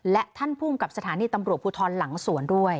และท่านภูมิกับสถานีตำรวจภูทรหลังสวนด้วย